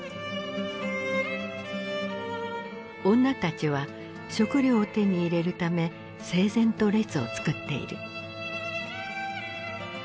女たちは食料を手に入れるため整然と列を作っている。